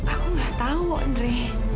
aku nggak tau andre